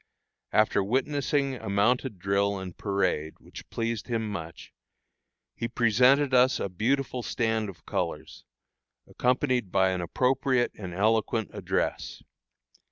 After witnessing a mounted drill and parade, which pleased him much, he presented us a beautiful stand of colors, accompanied by an appropriate and eloquent address.